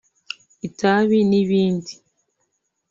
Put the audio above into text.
itabi n’ibindi